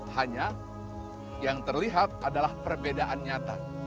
hanya yang terlihat adalah perbedaan nyata